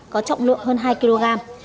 có trọng lượng hơn hai kg